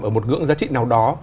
ở một ngưỡng giá trị nào đó